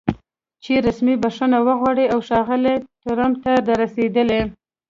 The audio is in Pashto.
چې رسمي بښنه وغواړي او ښاغلي ټرمپ ته د رسېدلي